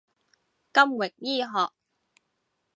金域醫學